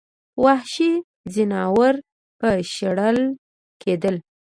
وحشي ځناور به شړل کېدل.